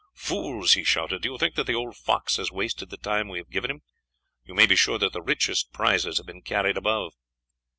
"Fools!" he shouted, "do you think that the old fox has wasted the time we have given him? You may be sure that the richest prizes have been carried above."